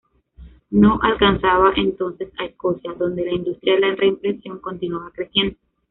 No alcanzaba entonces a Escocia, donde la industria de la reimpresión continuaba creciendo.